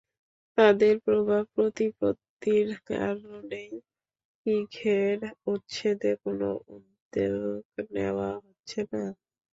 তাঁদের প্রভাব প্রতিপত্তির কারণেই কি ঘের উচ্ছেদে কোনো উদ্যোগ নেওয়া হচ্ছে না?